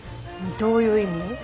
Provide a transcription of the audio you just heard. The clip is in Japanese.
どういう意味？